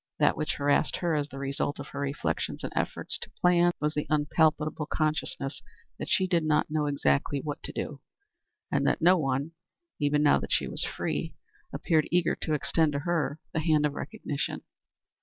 That which harassed her as the result of her reflections and efforts to plan was the unpalatable consciousness that she did not know exactly what to do, and that no one, even now that she was free, appeared eager to extend to her the hand of recognition.